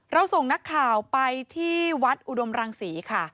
ส่งนักข่าวไปที่วัดอุดมรังศรีค่ะ